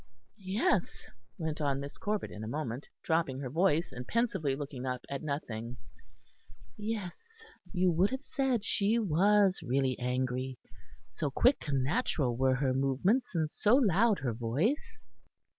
Yes," went on Miss Corbet in a moment, dropping her voice, and pensively looking up at nothing, "yes; you would have said she was really angry, so quick and natural were her movements and so loud her voice."